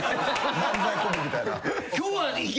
・漫才コンビみたいな。